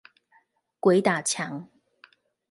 鬼打牆